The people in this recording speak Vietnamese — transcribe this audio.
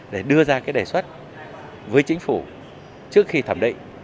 để đưa ra cái đề xuất với chính phủ trước khi thẩm định